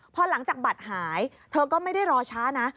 พอหลังจากบัตรหายเธอก็ไม่ได้รอช้านะ